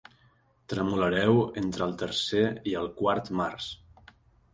Tremolareu entre el tercer i el quart mars.